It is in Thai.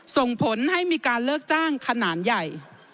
ส่งผลให้มีการเลิกจ้างขนาดใหญ่